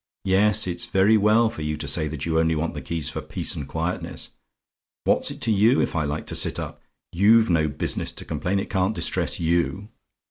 Yes, it's very well for you to say that you only want the key for peace and quietness what's it to you, if I like to sit up? You've no business to complain; it can't distress you.